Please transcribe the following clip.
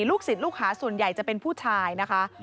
ลูกศิษย์ลูกหาส่วนใหญ่จะเป็นผู้ชายนะคะ